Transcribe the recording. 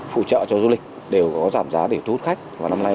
phụ trợ cho các dịch vụ hàng không này sẽ có thể tăng cường